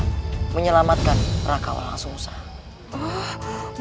untuk menyelamatkan raka walang sungsam